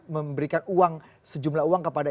memberikan uang sejumlah uang kepada